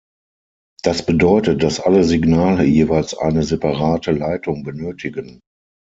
Das bedeutet, dass alle Signale jeweils eine separate Leitung benötigen.